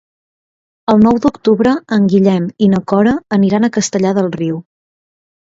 El nou d'octubre en Guillem i na Cora aniran a Castellar del Riu.